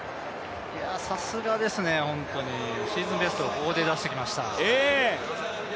さすがですね、シーズンベスト、ここで出してきました。